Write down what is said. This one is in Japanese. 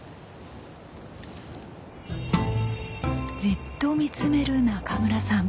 じっと見つめる中村さん。